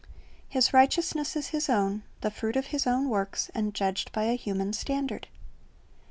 His righteousness is his own, — the fruit of his own works, and judged by a human standard.